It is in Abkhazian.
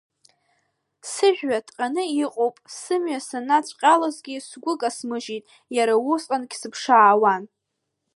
Сыжәҩа ҭҟьаны иҟоуп сымҩа санацәҟьалозгь, сгәы касымжьит, иара усҟангь сыԥшаауан.